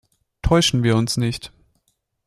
Täuschen wir uns nicht.